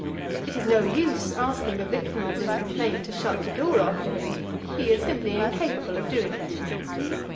It is no use asking a victim of this complaint to shut the door after him; he is simply incapable of doing it.